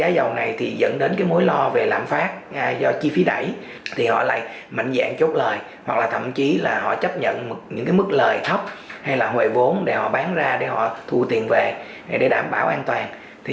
dẫn đến mối lo về lạm phát do chi phí đẩy họ lại mạnh dạng chốt lời thậm chí là họ chấp nhận mức lời thấp hay là hồi vốn để họ bán ra thu tiền về để đảm bảo an toàn